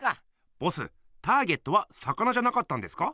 ボスターゲットは魚じゃなかったんですか？